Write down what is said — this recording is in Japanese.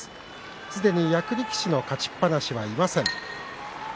すでに、役力士の勝ちっぱなしはいません。